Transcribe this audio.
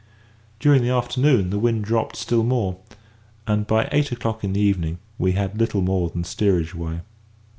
During the afternoon, the wind dropped still more, and by eight o'clock in the evening we had little more than steerage way.